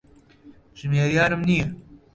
ژمێریارم نییە.